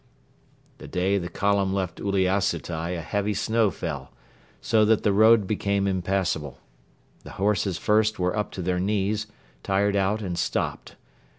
The day the column left Uliassutai a heavy snow fell, so that the road became impassable. The horses first were up to their knees, tired out and stopped.